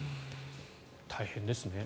大変ですね。